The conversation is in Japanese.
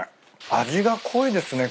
味が濃いですね